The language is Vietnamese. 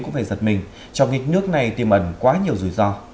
cũng phải giật mình trong nghịch nước này tiêm ẩn quá nhiều rủi ro